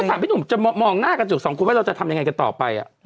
ถามพี่หนุ่มจะมองหน้ากระจกสองคนว่าเราจะทำยังไงกันต่อไป